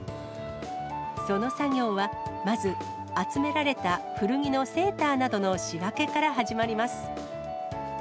その作業はまず集められた古着のセーターなどの仕分けから始まります。